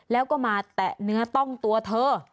แล้วก็มาแตะเนื้อต้องตัวเธอ